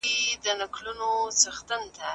هغه په یوه لاس امسا او په بل لاس یې خپل څټ وګیراوه.